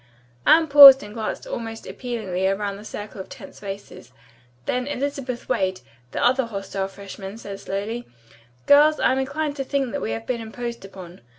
Anne paused and glanced almost appealingly around the circle of tense faces. Then Elizabeth Wade, the other hostile freshman, said slowly: "Girls, I am inclined to think we have been imposed upon.